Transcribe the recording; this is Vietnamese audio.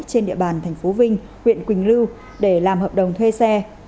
trên địa bàn tp vinh huyện quỳnh lưu để làm hợp đồng thuê xe